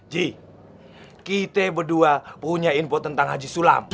j kita berdua punya info tentang haji sulam